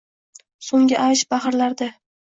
So‘nggi avj bahrlarda